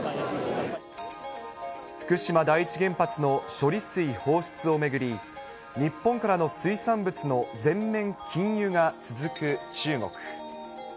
福島第一原発の処理水放出を巡り、日本からの水産物の全面禁輸が続く中国。